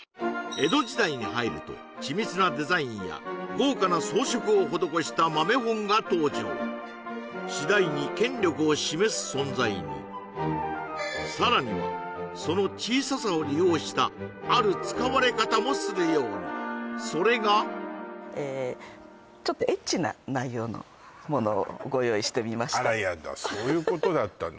江戸時代に入ると緻密なデザインや豪華な装飾を施した豆本が登場次第に権力を示す存在にさらにはその小ささを利用したある使われ方もするようにそれがをご用意してみましたあらやだそういうことだったの？